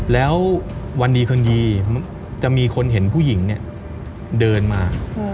แล้ววันดีคืนดีจะมีคนเห็นผู้หญิงเนี่ยเดินมา